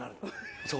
そう。